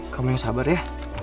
kamu yang sabar ya